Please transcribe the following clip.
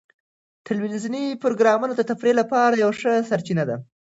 ټلویزیوني پروګرامونه د تفریح لپاره یوه ښه سرچینه ده.